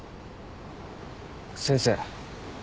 先生。